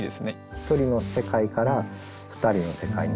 一人の世界から二人の世界に。